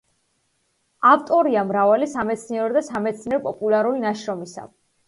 ავტორია მრავალი სამეცნიერო და სამეცნიერო-პოპულარული ნაშრომისა.